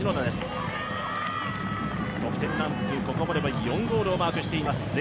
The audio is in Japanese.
得点ランク、ここまで４ゴールをマークしています